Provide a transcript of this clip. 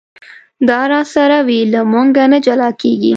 دا راسره وي له مونږه نه جلا کېږي.